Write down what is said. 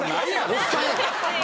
おっさんやん！